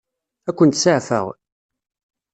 Ad kent-seɛfeɣ?